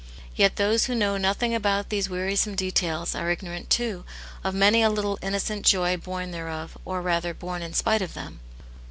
Yet those who know nothing^ about these wearisome details, are ignorant, too, of many a little innocent joy born thereof, or rather, born in spite of them.